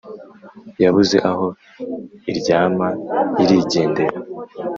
Yabuze aho iryama irigendera